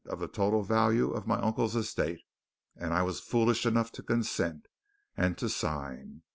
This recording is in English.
of the total value of my uncle's estate, and I was foolish enough to consent, and to sign.